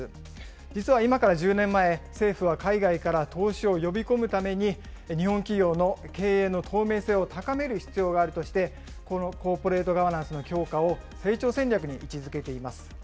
実は今から１０年前、政府は海外から投資を呼び込むために、日本企業の経営の透明性を高める必要があるとして、このコーポレートガバナンスの強化を成長戦略に位置づけています。